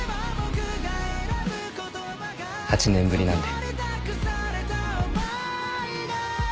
８年ぶりなんで。